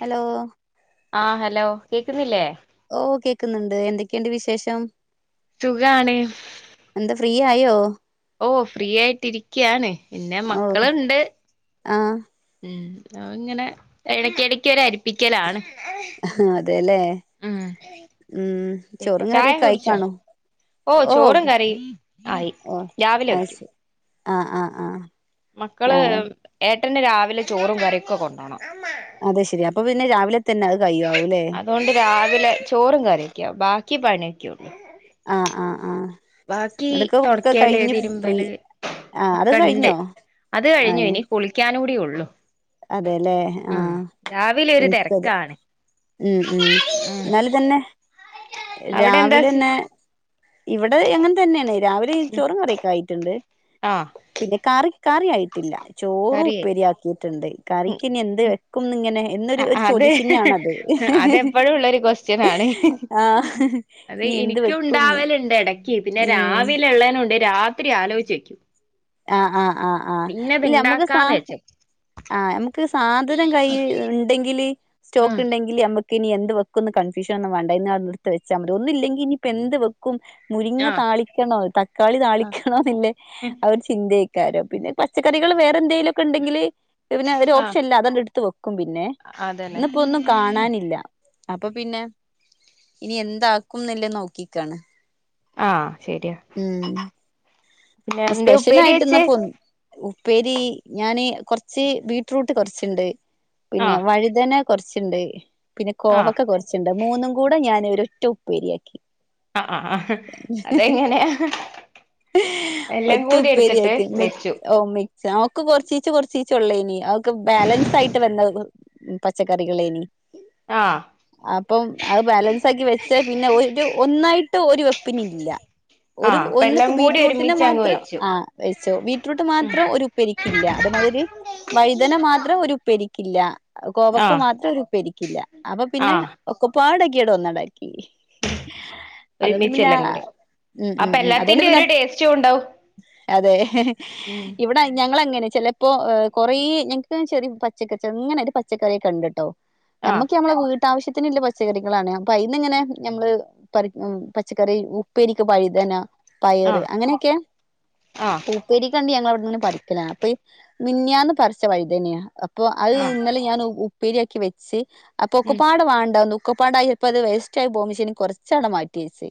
Hello ആ hello കേൾക്കുന്നില്ലേ ഓ കേക്കുന്നുണ്ട് എന്തൊക്കെയുണ്ട് വിശേഷം സുഖാണ് ഫ്രീയായോ ഓ ഫ്രീ ആയിട്ടിരിക്കുകയാണ് പിന്നെ മക്കളുണ്ട് ആ ആ ഇങ്ങനെ ഇടക്കിടക്ക് [unintelligible] പ്പിക്കലാണ് അതെല്ലേ ഉം ഉം പിന്നെ ചോറും ചായ കറിയൊക്കെ കുടിച്ചോ ആയിക്കാണോ ഓ ചോറും കറിയും ആയി രാവിലെ വെക്കും അ അ അ മക്കള്ഏ ന്റ്ന്‌ രാവിലെ ചോറും കറിയൊക്കെ കൊണ്ടോണം അതെ ശെരി അപ്പൊ പിന്നെ രാവ്‌ലെ അതോണ്ട് രാവിലെ ചോറും കറിയാെക്കെയാവും ബാ ക്ക് പണ്യക്ക്യും ആ ബാക്കി തൊടെക്കല് ഫ്രീ തിരുമ്പല് ആഹ് അത് ഒക്കെണ്ട് കഴിഞ്ഞോ അത് കഴിഞ്ഞു ഇനി കുളിക്കാനൂടി ഉള്ളു അതെലേ ആ ഉം രാവിലെ ഒരു എനിക്കത് തിരക്കാണ് ഉം ഉം ഇന്നലെ തന്നെ അവിടെ എന്താ രാവിലെന്നെ ഇവിടെ എങ്ങൻ തെന്നേണ് രാവിലെയും ചോറും കറിയൊക്കെ ആയിട്ടുണ്ട് ആഹ് പിന്നെ കാറി കാറിയായിട്ടില്ല ചോറ് കറിയായി ഉപ്പേരിയാക്കി ട്ട്ണ്ട് കറിക്കിനി എന്ത് കും നിങ്ങനെ അ അത് അതെപ്പോഴുള്ളൊരു ക്വസ്റ്റ്യനാണ് ആഹ് അത് ഇനി എന്ത് വെക്കുംന്ന് ഇനിക്കുണ്ടാവലുണ്ട് എടക്ക് പിന്നെ ഉം രാവിലെ ഉള്ളേനൊണ്ട് രാത്രി ആലോയിച്ചെക്കും ആ ആ ആ ആ ഇല്ല മ്മുക്ക് സാ ഇണ്ടാക്കാന്ന് വെച്ചു ആ എമ് ക്ക് സാധനം കൈയില്ണ്ടെങ്കില് സ്റ്റോക്ക് ണ്ടെങ്കില് അമു ത്തിനി എന്ത് വെക്കുന്ന് കൺഫ്യഷൻ ഒന്നും വേണ്ട ഇന്ന് അവ്ട്ന്ന് എടുത്ത് വെച്ചാ മതി ഒന്നു ഇില്ലെങ്കി ഇനിപ്പൊ എന്ത് വെക്കും മുരിങ്ങ ആഹ് താളിക്കണോ തക്കാളി താളിക്കണോന്നില്ലേ അതൊരു ചിന്തേയ്ക്കാരം പിന്നെ പച്ചക്കറികള് വേറെ എന്തേലൊക്കെണ്ടെങ്കില് പിന്നെ ഒരു ആഹ് ഓപ്ഷല്ല അതണ്ട് തു ക്കും പിന്നെ അതന്നെ ഇന്ന്‌പ്പോ ഒന്നും കാണാനില്ല അപ്പൊ പിന്നെ ഇനി എന്താക്കും [unintelligible] നോക്കിക്കാണ് ആ ശരിയാ ഉം പിന്നെ എന്തേ സ്പെഷ്യൽ ഉപ്പേരി ആയിട്ട് വെച്ചേ ഇന്നപ്പൊ [unintelligible] ഉപ്പേരി ഞാന് കൊറച്ച് ബീറ്റ്റൂട്ട് കൊറച്ച്ണ്ട് പിന്നെ ആഹ് വഴുതന കൊറച്ച്ണ്ട് പിന്നെ ആഹ് കോവക്ക കൊറച്ച് ണ്ട് മൂന്നും കൂടെ ഞാൻ ഒരൊറ്റ ഉപ്പേരിയാക്കി ആ ആ ആഹ് അതെങ്ങനെയാ എല്ലാം ഒറ്റ കൂടി എടുത്തിട്ട് ഉപ്പേരിയാക്കി മ വെച്ചു ഓ മിക്സ് ആ ഒക്കെ കൊറച്ചീച്ച കൊർ ച്ചിച്ചുള്ളേനി അവൊക്കെ ബാലൻസ് ആയിട്ട് വന്ന പച്ചക്കറികളേനി ആഹ് അപ്പം അത് ബാലൻസ് ആക്കി വെച്ച പിന്നെ ഒരു ഒന്നായിട്ട് ഒരു വെപ്പിനില്ല ഒരു ആഹ് അപ്പ എല്ലാം ഒന്നിപ്പോ കൂടി ബീറ്റ്റൂട്ടിന് ഒരുമിച്ച് മാ അങ്ങ് ത്ര വെച്ചു ആ വെച്ചൂ ബീറ്റ്റൂട്ട് ഉം മാത്രം ഒരു ഉപ്പരിക്കില്ല അത് മാതിരി വൈതന മാ അത്ര ഒരുപ്പേരിക്കില്ല കോവക്ക ആഹ് മാത്രം ഒരുപ്പേരിക്കില്ല അപ്പൊ പിന്നെ ആഹ് ഒക്കപ്പാടെ എടോ ഒന്നുടാക്കി. ഒരുമിച്ച് എല്ലാം കൂടി അപ്പൊ എല്ലാത്തിൻ്റേം ഒരു ടേസ്റ്റും ഉണ്ടാവും. അതേ, ഉം ഇവിടെ ഞങ്ങളങ്ങന് ചിലപ്പോ കുറേ ഞങ്ങക്ക് ചെറിയ പക്കച്ച അങ്ങനെ ഒരു പച്ചക്കറിയൊക്കെ ഉണ്ട്ട്ടോ ആഹ് ഞമ്മക്ക് ഞമ്മടെ വീട് ഇപ്പാവശ്യത്തിനുള്ള പച്ചക്കറികളാണ് അപ്പൊ അയിന്നിങ്ങനെ നമ്മള് പറിക്കും പച്ചക്കറി ഉപ്പേരിക്ക് വയുതന പയറ് ആഹ് അങ്ങനെയൊക്കെയാ? ആഹ് പൂപ്പേരിക്കണ്ട് ഞങ്ങളെ അവിടുന്ന് പിന്നെ പടിക്കലാ. അപ്പയ് മിനിഞ്ഞാന്ന് പറിച്ച വഴുതനയാ. അപ്പൊ അത് ആഹ് ഇന്നലെ ഞാൻ ഉപ്പേരി ക്കി വെച്ച് അപ്പൊ ഉം ഒക്കെപ്പാടെ വാണ്ടതു ഒക്കപ്പാണ്ടായി ഇപ്പോ അത് വേസ്റ്റ് ആയി പോവും. പക്ഷേനി കൊ റച്ചങ്ങട്ട് മാറ്റിവെച്ച്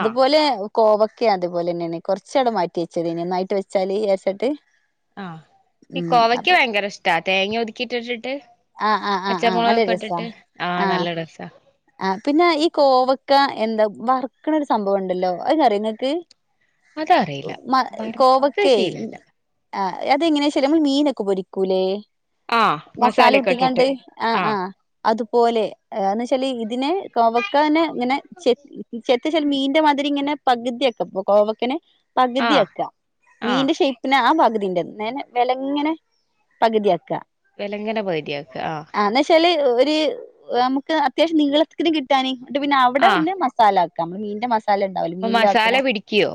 ആഹ് കോവക്കയും അതുപോലെന്നെയാണ്. കൊറച്ചവിടെ മാറ്റിവെച്ചേര്. നന്നായിട്ട് വെച്ചാല് എസട്ട് ആഹ ഈ കോവക്ക ഭയങ്കര ഇഷ്ടാ തേങ്ങ ഒതുക്കിട്ടിട്ട് ആഹ് ആഹ് ആഹ് ആഹ് നല്ല രസാ ആഹ് നല്ല ടേസ്റ്റാ ആഹ് പിന്നെ ഈ കോവക്ക എന്താ വർക്കണ ഒരു സംഭവം ഉണ്ടല്ലോ അതിന് അറിയോ നിക്ക് അതറിയില്ല മ വറുത്ത കോവക്കയേ ശീലല്ല ആ അതെങ്ങനെയാ ശരി നമ്മൾ മീനൊക്കെ പൊരിക്കൂല്ലേ? ആഹ മസ് [unintelligible] ഒട്ടിക്കാണ്ട് ആ ആഹ് അതുപോലെ എന്ന് വെച്ചാല് ഇതിനെ കോവക്കേനെ ഇങ്ങനെ ചെത് ചെത് [unintelligible] മീന്റെ മാതിരി ഇങ്ങെനെ പകുതിയാകും ഒ കോവക്കെനെ ആഹ് പകുതിയക്കെ ആഹ് മീന്റെ ഷേപ്പിനെ ആ പകു ഇതിൻ്റെ നെന വെലങ്ങനെ പകുതിയാക്കുക. വെലങ്ങന പകുതിയാക്ക് ആ ത് നമുക്ക് അത്യാവശ്യം നീളത്ത്ക്ക് ഇതുക്കിട്ടാന് ട്ട് പിന്നെ അവിടെ ആഹ് പിന്നെ മസാലാക് [unintelligible] മീന്റെ മസ് അപ്പൊ മസാല പിടിക്യോ?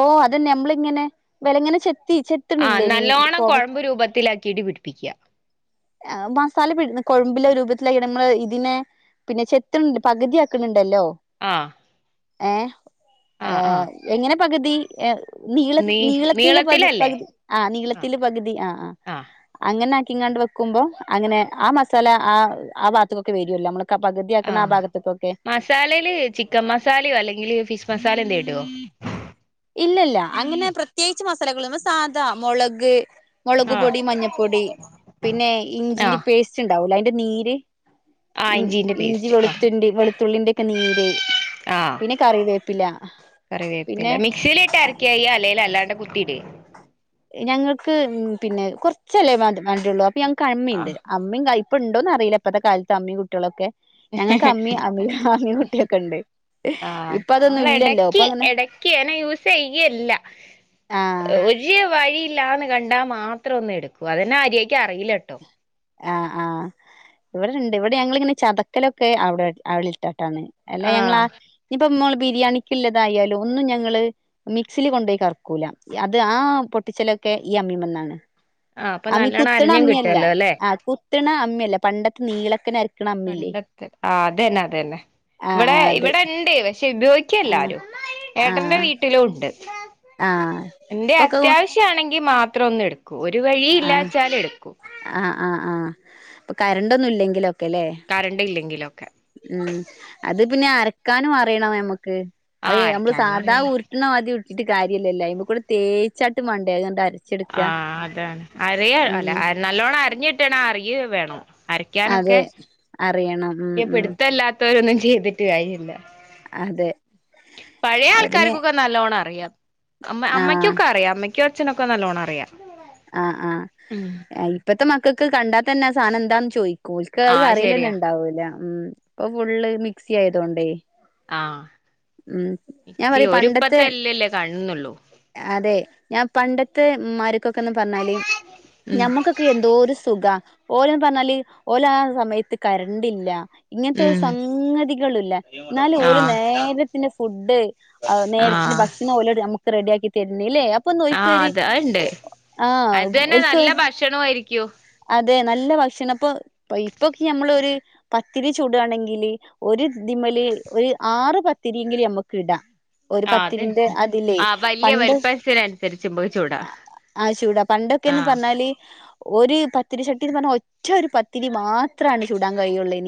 ഓ അതന്നെ നമ്മളിങ്ങനെ വെലങ്ങനെ ചെത് ആഹ് നല്ലോണം കൊഴമ്പ് രൂപത്തിലാക്കിയിട്ട് പിടിപ്പിക്ക്യ ആ മസാലപ്പിടുന്ന കൊഴമ്പിലെ രൂപത്തിലായി നമ്മൾ ഇതിനെ പിന്നെ ചെത്തണണ്ട് പകുതിയാക്ക്ണ് ണ്ടല്ലോ ആഹ് ഏ ആഹ് ആഹ് ഏഹ് എങ്ങനെ പകുതി നീളത്ത് നീ നീളത്തിന് പതു നീളത്തിലല്ലേ പകുതി ആ ആഹ് നീളത്തില് പകുതി ആ ആ ആഹ് അങ്ങനെ ക്കിങ്ങാണ്ട് വെക്കുമ്പോ അങ്ങനെ ആ മസാല ആ ആ ഭാഗത്ത്ക്കൊക്കെ വരോല്ലോ നമ്മള് പകുതിയാക്കണ ആ ആഹ് ഭാഗത്ത്ക്കൊക്കെ മസാലയില് ചിക്കൻ മസാലയോ അല്ലെങ്കില് ഫിഷ് മസ സാല എന്തേടോ ഇല്ലല്ല അങ്ങനെ പ്രത്യേയിച്ച് മസാ മസാലകളൊന്നു സാധാ മൊളക് മൊളക് ആഹ് പൊടി മഞ്ഞപ്പൊടി പിന്നെ ഇഞ്ചിന്റെ ആഹ് പേസ്റ്റ് ഇണ്ടാവൂലെ അയ് ൻ്റെ നീര് ആഹ് ഇഞ്ചിന്റെ ഇ ഞ്ചി പേസ്റ്റ് ആഹ് വെളുത്തുന്റി വെളുത്തുള്ളിന്റെ ക്കെ നീര് ആഹ് പിന്നെ കറിവേപ്പില പിന്നെ മിക്സീലിട്ട് അരക്കെയ്യാ അല്ലേല് അല്ലാണ്ട് കു ത്തിടേ ഞങ്ങൾക്ക് പിന്നെ കുറച്ചല്ലേ വ വാണ്ടിയുള്ളൂ ഇപ്പ ഞങ്ങക്ക് അമ്മിയ്ണ്ട് ആഹ് അമ്മിം ക ഇപ്പ ഉണ്ടോന്ന് അറീല ഇപ്പത്തെ കാലത്ത് അമ്മിയും കുട്ടയോളക്കെ കുട്ടിയൊക്കെ ഉണ്ട് ആ ഇപ്പൊ അതൊന്നും ഞങ്ങള് ഇല്ലല്ലോ എടക്ക് ഇപ്പൊ അങ്ങനെ എടക്ക് അങ്ങനെ യൂസ് ചെയ്യലില്ല ആഹ് ഒരു വഴി യില്ലാന്ന് കണ്ടാ മാത്രം ഒന്ന് എടുക്കും അതന്നെ മര്യായക്ക് അറിയില്ല ട്ടോ ആഹ് ആഹ് ഇവിടെണ്ട് ഇവിടെ ഞങ്ങളിങ്ങനെ ചതക്കലൊക്കെ അവിടെ അയ്ല് ഇട്ട ട്ടാണ് അല്ലേ ഞങ്ങള് ആ ആഹ് [unintelligible] ഇപ്പം മ്മള് ബിരിയാണിക്കിള്ളതായാലും ഒന്നും ഞങ്ങള് മിക്സിൽ കൊണ്ടു പോയി കറക്കൂല, അത് ആ പൊട്ടിച്ചലൊക്കെ ഈ അമ്മിമെന്നാണ്. ആഹ് അപ്പൊ നല്ലോണം അരഞ്ഞും കിട്ടുവല്ലോ ല്ലെ ആഹ് കുത്തണ അമ്മിയല്ല പണ്ടത്തെ നീളക്കണ പണ്ടത്തെ ആ അതന്നെ അതന്നെ ആഹ് ഇവിടെ ആഹ് അത് ഇവിടെ ഇണ്ട് പക് പക്ഷെ ആഹ് ഉപയോഗിക്കലില്ലാരും ഏട്ടന്റെ ആഹ് വീട്ടിലും ഉണ്ട് ആഹ് എന്തേ ഇപ്പൊക്കെ അത്യാവശ്യാണെ ങ്കി മാത്രം ഒന്നെടു ക്കും ഒരു വഴി ആഹ് ഇല്ലാച്ചാല് എടുക്കും പ്പോ കരണ്ടൊന്നും ഇല്ലെങ്കിലോ കറണ്ട് ഇല്ലെങ്കിലോ ഉം അത് പിന്നെ അരക്കാനും അറിയണം ഞമ്മ ആ ഉം അങ്ങൻത്തൊക്കെ അരക്കാനും എത്ര അറിയാം പത്തിരാണ് [unintelligible] ഇട്ടിട്ട് കാര്യല്ലല്ലോ അയ്മകൂടെ തേച്ചാട്ട് മാണ്ടേ അത്ങ്ങട്ട് ക്ക് അത് ഞമ്മള് സാദാ ഉം ഉരുട്ട്ണ മാതിരി ഉര് [unintelligible] വേണോ അതെ അറിയണം ഉം [unintelligible] ഉം പിടുത്തല്ലാത്ത രൊന്നും ചെയ്തിട്ട് കാര്യല്ല അതെ പഴേ അത് പിന്നെ ആൾക്കാർക്കൊക്കെ നല്ലോണം അറിയാ അമ്മ അമ്മക്കൊക്കെ അറിയാം അമ്മയ് ക്കും അച്ഛനൊക്കെ നല്ലോണം അറിയ ആ ആ ഇപ്പത്തെ മക്ക ക്കക്ക് കണ്ടാത്തന്നെ ആ സാധനം എന്താന്ന് ചോയ് ഓൽക്ക് ആ അത് അറിയലെന്നെ ശരിയാ ണ്ടാവൂല ഉം പ്പൊ ഫുള്ള് മിക്സി ആയതോണ്ടേ ആ ഉം ഞാൻ മിക്സി പറയും പണ്ടത്തെ ഒരുപ്പത്തെ ല്ലല്ലേ കാണുന്നുള്ളൂ അതെ ഞാൻ പണ്ടത്തെ മര ക്കക്കൊ ന്ന് പറഞ്ഞാല് ഉം ഞമ്മക്കൊക്കെ എന്തോരു സുഖ ഓല്ന്ന് പറഞ്ഞാല് ഓലാ സമയത്ത് കരണ്ടില്ല ഇങ്ങനത്തെ ഒരു ഉം സംഗതികളില്ല ന്നാലും ഓല് ആഹ് നേരത്തിന് ഫുഡ് ആ നേരത്തിന് ആഹ് ഭക്ഷണം ഓല് നമക്ക് റെഡിയാക്കി തര്ന്നില്ലേ ആ അത് അത്ണ്ട് ആഹ് അത് തന്നെ നല്ല ഭക്ഷണോയിരിക്കും തെ നല്ല ഭക്ഷണം പ്പോ ഇപ്പോക്കി നമ്മള് ഒരു പത്തിരി ചുടാണെങ്കില് ഒരു തിമല് ഒരു ആറ് പത്തിരിയെങ്കിലും നമ്മക്കിട ആ അതെ ആ വല്ല്യ പണ്ട് വലിപ്പത്തിനനുസരിച്ച് ഞമ്മക് ചുടാ ചുട പണ്ടൊക്കെന്ന് പറഞ്ഞാല് ഒരു പത്തിരി ചട്ടിന്ന് പറഞ്ഞ ഒറ്റൊരു പത്തിരി മാത്രാണ് ചുടാൻ കഴിയൊള്ളേ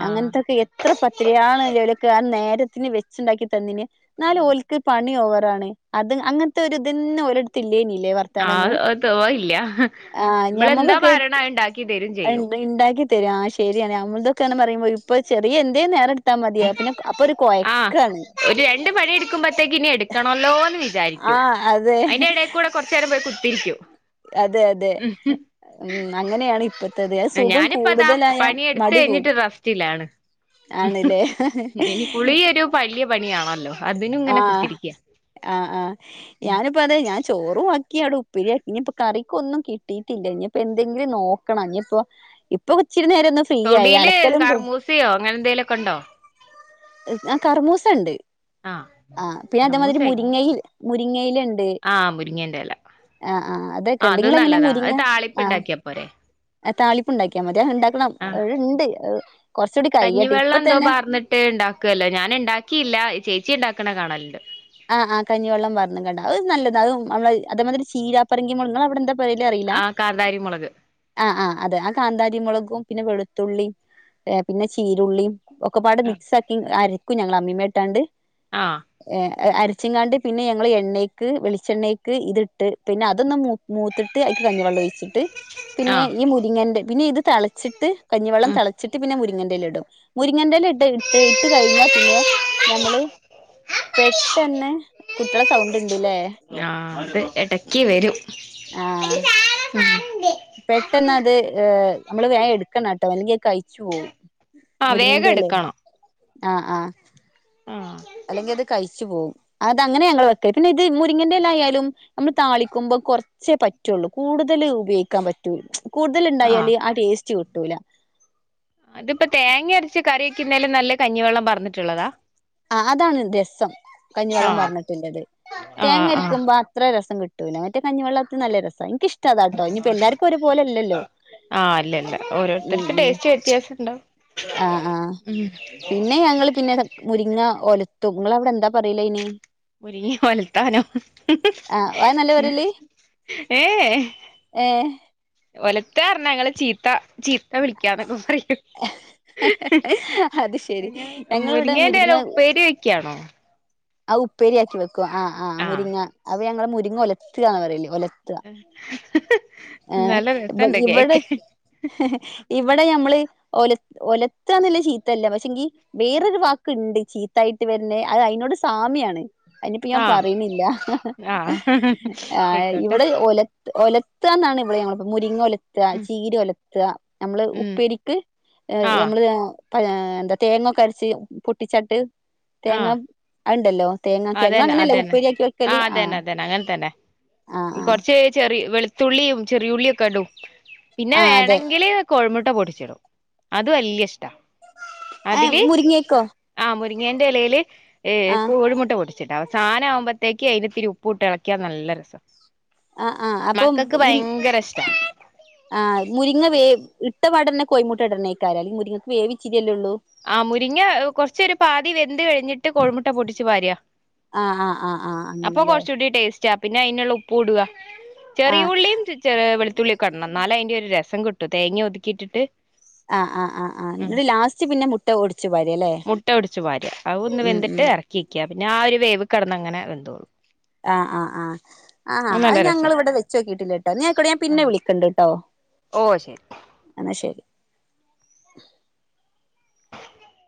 ആഹ് അങ്ങനത്തൊക്കെ എത്ര [unintelligible] ഇന്ന് വെച്ചിണ്ടാക്കി [unintelligible] ന്നാലും ഓല്ക്ക് പണി ഓ അതാണ് അത് അങ്ങനത്തെ ഒരു ഇതന്നും ഓരിടത്ത് ഇല്ലേനില്ലേ? ആഹ് ഓ തില്ല ആഹ് ഇമ്മള് എന്താ ഞമ്മക്കൊക്കെ പറയണ അത് ഇണ്ടാക്കി തരും ചെയ്യും തരാ ആ ശരിയാണ് ഞമ്മളതൊക്കെന്ന് പറയുമ്പോ ഇപ്പൊ ചെറിയ എന്തേ നേര ഉം ആ ഒരു രണ്ട് പണി എടുക്കുമ്പോത്തേക്ക് ഇന്നെ എടുക്കണല്ലോന്ന് വിചാ വിചാരിക്കൂ ആഹ് അതെ അതിന്റെ എടക്കൂടെ കുറച്ചേരം പോയി കുത്തിരിക്കും അതെ അതെ ഉം അങ്ങനെയാണ് ഇപ്പത് ഞാനിപ്പ അതാ പണിയെടുത്ത് കൂടും കഴിഞ്ഞിട്ട് റസ്റ്റിലാണ്, ആണ്ല്ലേ എനിക്കുളിയൊരു വലിയ പണിയാണല്ലോ അതിനും ഇങ്ങനെ ആഹ് കുത്തിരിക്ക ആ ആഹ് ഞാനിപ്പോ അതെ ഞാൻ ചോറും ആക്കി അവിടെ ഉപ്പേരിയാക്കി ഇനിപ്പ കറിക്കൊന്നും കിട്ടിയിട്ടില്ല ഇനിപ്പോ എന്തെങ്കിലും നോക്കണം ഇനി ഇപ്പോ ഇപ്പൊ ഇച്ചിരി നേരം ഒന്ന് ഫ്രീ ആയി തൊടീല് അലക്കലും കർമൂസയോ അങ്ങനെ എന്തെലു ഒക്കെ ഉണ്ടോ ആ കറമൂസ ഇണ്ട് ആഹ് ആഹ് പിന്നെ അതേമാതിരി കർമൂസായി മുരിങ്ങയിൽ മുരിങ്ങയിലുണ്ട് ആഹ് മുരിങ്ങേന്റെ എല ആഹ് അതൊക്കെ ആ ഉണ്ട് അത് നിങ്ങളെങ്ങനെ നല്ലതാ അത് താളിപ്പ് ഉണ്ടാക്കിയപ്പോരെേ താളിപ്പുണ്ടാക്കിയാൽ മതി അത് ഉണ്ടാക്കണം ആഹ് അത് ഉണ്ട് കുറച്ചുകൂടി കഴിയട്ടെ ഇപ്പ കഞ്ഞിവെള്ളം എന്തോ തന്നെ പാർന്നിട്ട് ഇണ്ടാക്കുവല്ലോ ഞാൻ ഉണ്ടാക്കിയില്ല ചേച് ചേച്ചി ഇണ്ടാക്കണെ കാണല്ണ്ട് ആഹ് ആ കഞ്ഞിവെള്ളം പാർന്ന് കാണ്ട് അത് നല്ലത് അത് നമ്മള് അതേമാതിരി ചീപ്പറങ്കി മുളക് അവിടെ എന്താ [unintelligible] അറീല്ല ആഹ് കാന്താരി മുളക് ആ ആ അതെ ആ കാന്താരിമുളകും പിന്നെ വെളു വെളുത്തുള്ളി പിന്നെ ചീരുള്ളിയും ഒക്കെപാട് മിക്സ് ആക്കി അര് ക്കും ഞങ്ങള് അമ്മീമ്മേട്ടാണ്ട് ആ അരച്ചിങ്ങാണ്ട് പിന്നെ ഞങ്ങൾ എണ്ണക്ക് വെളിച്ചെണ്ണക്ക് ഇതി ഇട്ട് പിന്നെ അതൊന്നും മൂത്തിട്ട് അക്ക് കഞ്ഞിവെള്ളം ഒഴിച്ചിട്ട് പിന്നെ ആഹ് ഈ മുരിങ്ങൻ പിന്നെ ഇത് തിളിച്ചിട്ട് കഞ്ഞിവെം ഉം തളച്ചിട്ട് പിന്നെ മുരിങ്ങെ ഇടും മുരിങ്ങണ്ടൽ ഇട്ട് ഇട്ട് ഇട്ട് കഴിഞ്ഞാ പിന്നെ നഞമ്മള് പെട്ടന്നെ കുട്ടികള സൗണ്ട് ഉണ്ടല്ലേ ആ അത് ഇടക്കി വരും പെട്ടെന്ന അത് നമ്മള് ഉം വേഗം എടുക്കണം കേട്ടോ അല്ലെങ്ക കഴിച്ചു പോകവും ആ വേഗം എടുക്കണ്ണം ആആ ആ അല്ലെങ്കി അത് കഴിച്ചു പോകും അത് അങ്ങനെ ഞങ്ങൾ വെക്കല് പിന്നെ ഇത് മുരിങ്ങിന്റെല ആയാലും നമ്മൾ താളിക്കുമ്പോം കുറച്ചേ പറ്റുള്ളൂ കൂടുതൽ ഉപയോഗിക്കാൻ പറ്റുല കൂടുതൽ ഉണ്ടായാല് ആടേസ്റ്റ് കിട്ടൂല അത്പ്പംതേങ്ങ അരച്ച കറി ക്ക്ന്നേലും നല്ല കഞ്ഞിവെള്ളം പാർന്നിട്ടുള്ളതാ ആ അതാണ് രസം ആ കഞ്ഞിവെള്ളം പാർന്നിട്ടുള്ളത് ആ ആ തേങ്ങരിക്കുമ്പോ അത്ര രസം കിട്ടു തൂനമറ്റ കഞ്ഞിവെള്ളത്ത് നല്ല രസാ എനിക്കിഷ്ടാതാട്ടോ ഇനിപ്പോ എല്ലാർക്കും ഒരുപോലെല്ലല്ലോ ആ അല്ല അല്ല ഉം ഓരോരുത്തർക്ക് ഉംആ ടേസ്റ്റ് വ്യത്യാസം ഉണ്ടാവും ആ ഉം പിന്നെ ഞങ്ങൾ പിന്നെ മുരിങ്ങ ഒലത്തും നിങ്ങൾ അവിടെ എന്താ പറയിലയ്നി മുരിങ്ങ ഉലത്താനോ ആഹ് അത് നല്ല പറയല് ഏ ഏഹ് ഉലത്താപറഞ്ഞ ഞങ്ങൾ ചീത്ത ചീത്ത വിളിക്കാന്നൊക്കെ പറിം അത് ശെരി ഞങ്ങളിവിടെ മുരിങ്ങേന്റെ മുരിങ്ങ എല ഉപ്പേരി വെക്കാണോ ആ ഉപ്പേരിയാക്കി വെ ക്കും ആ ആ മുരിങ്ങ അഅ് ഞങ്ങൾ മുരി മുരിങ്ങ ഉലത്താന്ന് പറല് ഉല ത്താ ഏ നല്ല രസണ്ട് ഇവിടെ കേക്കാൻ ഇവിടെ നമ്മള് ഒല ഒലത്താന്ന് ശീത്തല്ല പക്ഷെങ്കി വേറൊരു വാക്ക്ണ്ട് ചീത്തായിട്ട് വന്നെ അത് അതിനോട് സാമ്യയാണ് അതിനിപ്പ ഞാൻ ആ പറയണില്ല ആ ആ ആയിക്കോട്ടെ ഇവിടെ ഒല ഒലത്താന്നാണ് ഇവിടെ ങ്ങൾ മുരിങ്ങെല ത്ത ഉം ചീര ഒലത്ത നമ്മള് ഉം ഉപ്പേരിക്ക് ഏ ആ നമ്മള് [unintelligible] എന്താ തേങ്ങൊക്കെ അരച്ച് പൊട്ടിച്ചാട്ട് തേങ്ങ ആഹ് അഹ് ണ്ടല്ലോ അതന്നെ അതന്നെ ആ അതന്നെ അതന്നെ അങ്ങനെ തന്നെ ആ ആ കൊറച്ച് ചെറി വെളു ത്തുള്ളിയും ചെറിയുള്ളിയൊക്കെ ഇടും പിന്നെ ആ അതെ വേണെങ്കിൽ കോഴിമുട്ട പൊട്ടിച്ചിടും അത് വലിയ ഇഷ്ടാ ഏ അതില് മുരിങ്ങക്കോ അ മു മരിങ്ങേന്റെലയില് ഏ ആ കോഴിമുട്ട പൊടിച്ചിട സാധനം ആകുമ്പോതെക്ക് അതിത്തിരി ഉപ്പ് ഇട്ട് ഇളക്ക്യാ നല്ല രസ ആ ആ അപ്പം മക്കൾക്ക് ഈ ഭയങ്കര ഇഷ്ടാ ആ മുരിങ്ങ വേ ഇട്ടവടന്ന കോയിമുട്ട ഇടനേക്കാെ അല്ലെങ്കിൽ മുരിങ്ങക്ക് വേവിച്ചിരിയല്ലേള്ളൂ ആ മുരിങ്ങ കൊറച്ചൊരു പാതി വെന്ത് കഴിഞ്ഞിട്ട് കൊഴിമുട്ട പൊടിിച്ചു പാര്യാ ആ ആ ആ ആ അപ്പൊ അങ്ങനെല്ലേ കൊറച്ചുകൂടി ടേസ്റ്റ് പിന്നെ അതിനുള്ള ഉപ്പ് ഇടുക ആ ചെറിയ ഉള്ളിയും വെളു ഉള്ളി ക്കടണം എന്നാല അതിന്റെ ഒരു രസം കിട്ടു തേങ്ങ ഒതുക്കിട്ടിട്ട്. അ അ അ അ നിട്ട് ലാസ്റ്റ് പിന്നെ മു മുട്ട ഒടിച്ചു പാര് അത ഒന്ന് ഉം ഉം വെന്തിട്ട് ഇറക്കി വക്ക പിന്നെ ആ ഒരു വേവ കടന്ന് അങ്ങെനെ വെന്തോള്ളു അ അ അ അ അത് രസാ ഞങ്ങൾ ഇവിടെ വെച്ച നോക്കിട്ടില്ല കേട്ടോ ഞാൻ പിന്നെ ആഹ് വിളിക്കണ്ട് കേട്ടോ ഓഹ് ശരി എന്നാ ശരി [inaudible] [inaudible]